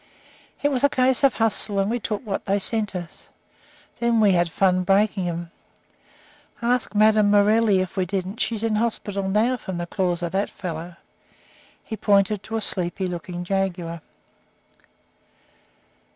It was a case of hustle, and we took what they sent us. Then we had fun breaking 'em in. Ask Madame Morelli if we didn't. She's in the hospital now from the claws of that fellow." He pointed to a sleepy looking jaguar.